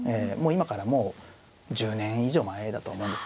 今からもう１０年以上前だとは思うんですけどね。